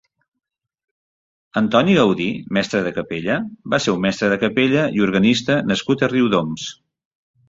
Antoni Gaudí (mestre de capella) va ser un mestre de capella i organista nascut a Riudoms.